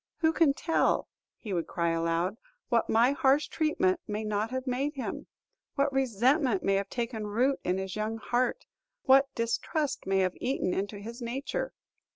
"Who can tell," he would cry aloud, "what my harsh treatment may not have made him? what resentment may have taken root in his young heart? what distrust may have eaten into his nature?